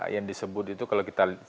yang disebut itu kalau kita